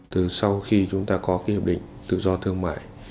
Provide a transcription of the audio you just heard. từ sau khi chúng ta có cái hiệp định tự do thương mại